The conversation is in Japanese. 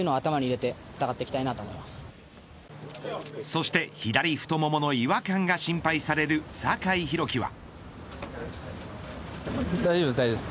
そして左太ももの違和感が心配される酒井宏樹は。